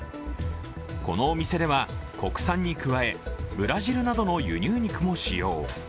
このお店では国産に加えブラジルなどの輸入肉も使用。